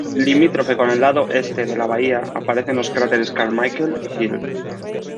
Limítrofe con el lado este de la bahía aparecen los cráteres Carmichael y Hill.